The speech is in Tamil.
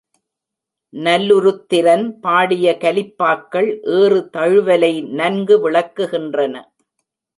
நல்லுருத்திரன் பாடிய கலிப்பாக்கள் ஏறு தழுவலை நன்கு விளக்குகின்றன.